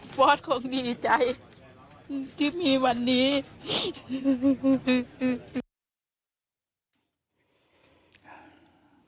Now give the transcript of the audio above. ฟอสคงดีใจที่มีวันนี้